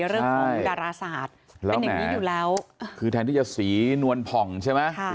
เรื่องของดาราศาสตร์เป็นอย่างนี้อยู่แล้วคือแทนที่จะสีนวลผ่องใช่ไหม